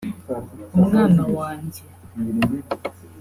umwana wanjye